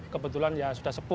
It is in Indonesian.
kebetulan sudah sepuh